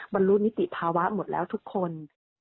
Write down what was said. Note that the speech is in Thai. บรรลุนิติภาวะหมดแล้วทุกคน